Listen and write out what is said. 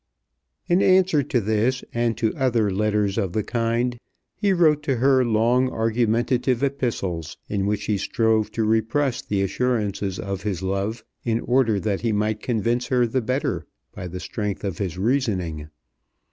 In answer to this, and to other letters of the kind, he wrote to her long argumentative epistles, in which he strove to repress the assurances of his love, in order that he might convince her the better by the strength of his reasoning.